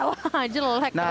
wah jelek ternyata